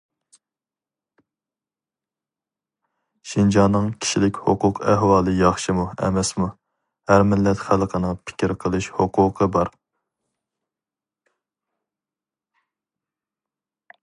شىنجاڭنىڭ كىشىلىك ھوقۇق ئەھۋالى ياخشىمۇ ئەمەسمۇ، ھەر مىللەت خەلقىنىڭ پىكىر قىلىش ھوقۇقى بار.